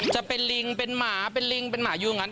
จะเป็นลิงเป็นหมาเป็นลิงเป็นหมาอยู่อย่างนั้น